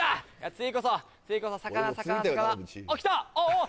次こそ次こそ魚魚魚あっ来たおっ